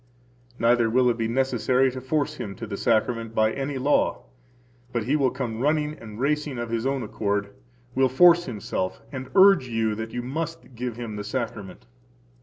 Neither will it be necessary to force him to the Sacrament by any law, but he will come running and racing of his own accord, will force himself and urge you that you must give him the Sacrament.